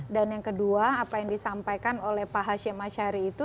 dan yang kedua apa yang disampaikan oleh pak hashim ashari itu